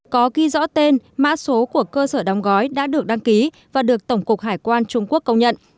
có ghi rõ tên mã số của cơ sở đóng gói đã được đăng ký và được tổng cục hải quan trung quốc công nhận